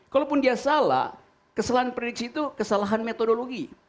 kalaupun dia salah kesalahan prediksi itu kesalahan metodologi